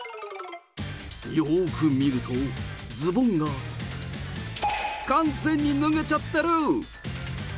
よーく見ると、ズボンが、完全に脱げちゃってる。